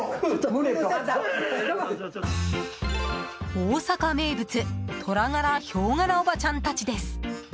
大阪名物トラ柄ヒョウ柄おばちゃんたちです。